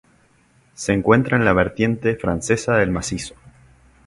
Se encuentra en la vertiente francesa del macizo.